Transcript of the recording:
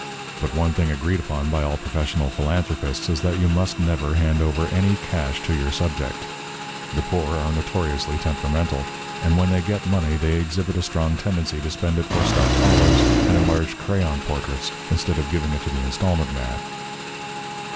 But one thing agreed upon by all professional philanthropists is that you must never hand over any cash to your subject. The poor are notoriously temperamental; and when they get money they exhibit a strong tendency to spend it for stuffed olives and enlarged crayon portraits instead of giving it to the instalment man.